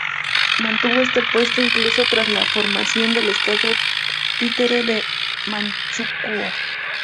Mantuvo este puesto incluso tras la formación del estado títere de Manchukuo.